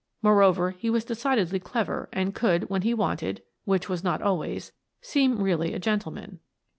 Moreover, he was decidedly clever and could, when he wanted — which was not always — seem really a gentleman.